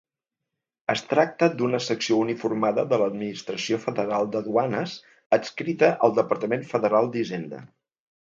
Es tracta d'una secció uniformada de l'Administració Federal de Duanes, adscrita al Departament Federal d'Hisenda.